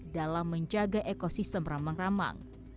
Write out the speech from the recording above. dalam menjaga ekosistem rambang rambang